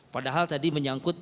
padahal tadi menyangkut